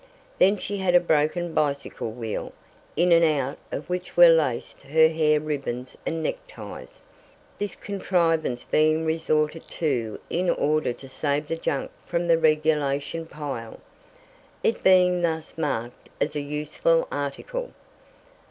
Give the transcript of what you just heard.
Then she had a broken bicycle wheel, in and out of which were laced her hair ribbons and neckties, this contrivance being resorted to in order to save the junk from the regulation pile it being thus marked as a useful article.